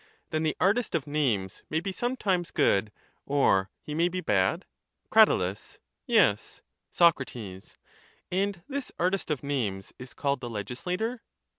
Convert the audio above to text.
Then the artist of names may be sometimes good, or he may be bad? Crat. Yes. Soc. And this artist of names is called the legislator?